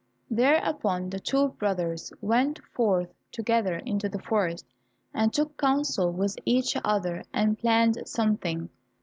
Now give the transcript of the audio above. Thereupon the two brothers went forth together into the forest, and took counsel with each other and planned something.